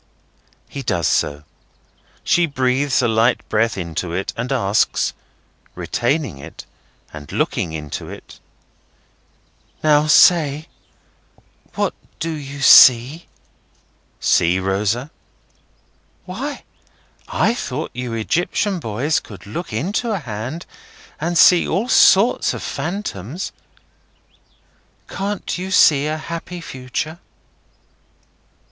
He does so. She breathes a light breath into it and asks, retaining it and looking into it:— "Now say, what do you see?" "See, Rosa?" "Why, I thought you Egyptian boys could look into a hand and see all sorts of phantoms. Can't you see a happy Future?"